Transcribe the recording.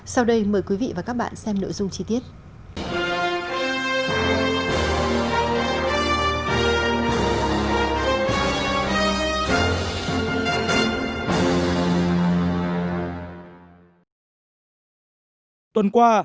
sau đây mời quý vị và các bạn xem nội dung chi tiết